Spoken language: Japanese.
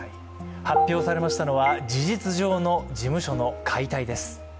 発表されましたのは、事実上の事務所の解体です。